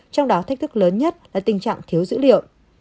trong đó thách thức lớn nhất là tình trạng thiếu dữ liệu